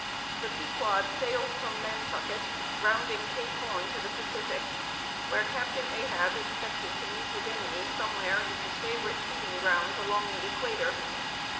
The Pequod sailed from Nantucket, rounding Cape Horn to the Pacific, where Captain Ahab expected to meet his enemy somewhere in his favorite feeding grounds along the Equator.